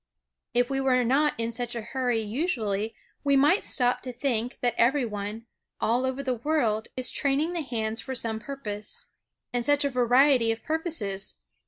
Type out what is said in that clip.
If we were not in such a hurry usually, we might stop to think that every one, all over the world, is training the hands for some purpose. And such a variety of purposes!